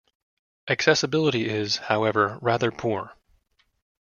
Accessibility is, however, rather poor.